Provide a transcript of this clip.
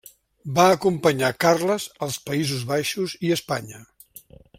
Va acompanyar Carles als Països Baixos i Espanya.